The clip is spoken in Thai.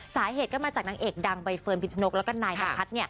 สาเหตุก็มาจากนางเอกดังใบเฟิร์นพิชนกแล้วก็นายนพัฒน์